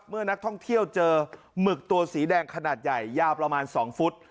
เมื่อนักท่องเที่ยวเจอหมึกตัวสีแดงขนาดใหญ่ยาวประมาณ๒ฟุต